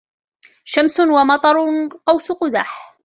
شمس ومطر, قوس قُزح.